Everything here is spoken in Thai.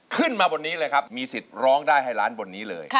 ขึ้นมาบนนี้เลยครับมีสิทธิ์ร้องได้ให้ล้านบนนี้เลย